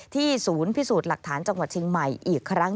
ศูนย์พิสูจน์หลักฐานจังหวัดเชียงใหม่อีกครั้ง